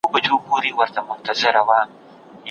خو حیرانه یم چي دا دعدل کور دی